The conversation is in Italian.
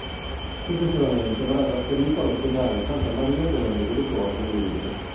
Successivamente verrà trasferito all'ospedale Santa Maria della Misericordia di Udine.